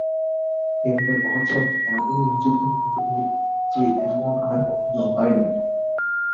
এবারকার মহোৎসব এমনি হুজুগ করে করবে যে, এমন আর কখনও হয় নাই।